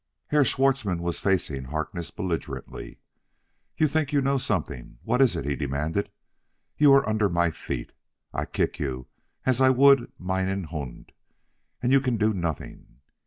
Herr Schwartzmann was facing Harkness belligerently. "You think you know something! What is it?" he demanded. "You are under my feet; I kick you as I would meinen Hund and you can do nothing."